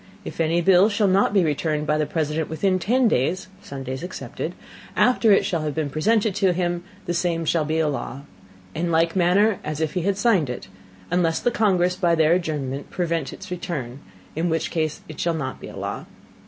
If any Bill shall not be returned by the President within ten Days (Sundays excepted) after it shall have been presented to him, the Same shall be a Law, in like Manner as if he had signed it, unless the Congress by their Adjournment prevent its Return, in which case it shall not be a Law.